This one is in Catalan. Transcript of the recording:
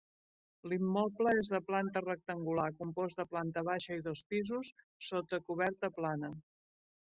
L'immoble és de planta rectangular compost de planta baixa i dos pisos sota coberta plana.